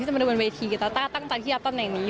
ที่จะมารวมเป็นเวทีกับตาตั้งแต่ที่รับตำแหน่งนี้